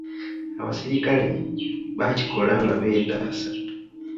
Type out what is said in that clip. Abaserikale baakikola nga beetaasa.